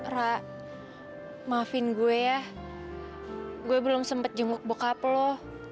ra maafin gue ya gue belum sempat jenguk bokap loh